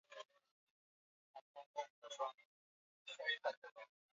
Pakuaa chakula chako